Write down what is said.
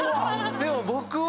でも僕は。